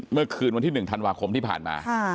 เมื่อคืนวันที่๑ธันวาคมที่ผ่านมา